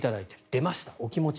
出ました、お気持ち。